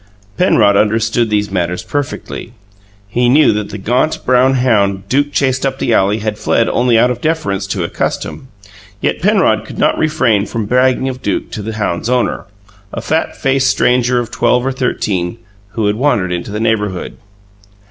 Penrod understood these matters perfectly; he knew that the gaunt brown hound Duke chased up the alley had fled only out of deference to a custom, yet Penrod could not refrain from bragging of Duke to the hound's owner, a fat faced stranger of twelve or thirteen, who had wandered into the neighbourhood.